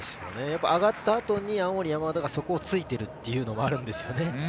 上がった後に青森山田がそこをついているというのもあるんですよね。